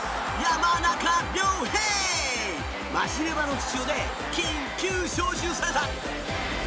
マシレワの負傷で緊急招集された。